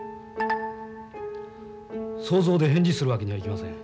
想像で返事するわけにはいきません。